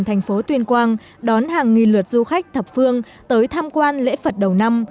thành phố tuyên quang đón hàng nghìn lượt du khách thập phương tới tham quan lễ phật đầu năm